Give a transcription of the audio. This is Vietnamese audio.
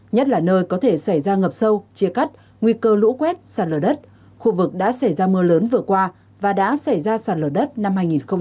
nhất là nơi có thể xảy ra ngập sâu chia cắt nguy cơ lũ quét sàn lở đất khu vực đã xảy ra mưa lớn vừa qua và đã xảy ra sàn lở đất năm hai nghìn hai mươi